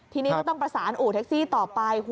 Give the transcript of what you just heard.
ทีนี้ก็ต้องประสานอู่แท็กซี่ต่อไป